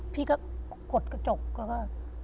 พี่ก็กดกระจกแล้วก็